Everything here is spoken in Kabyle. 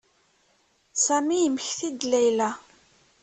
Sami yemmekti-d Layla.